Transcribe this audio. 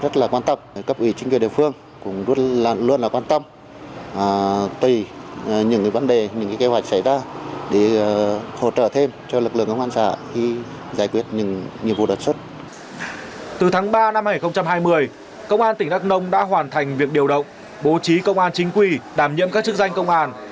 từ tháng ba năm hai nghìn hai mươi công an tỉnh đắk nông đã hoàn thành việc điều động bố trí công an chính quy đảm nhiệm các chức danh công an